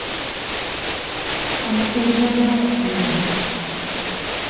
Unfavorable opinion.